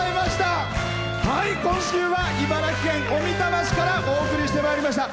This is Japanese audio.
今週は茨城県小美玉市からお送りしてまいりました。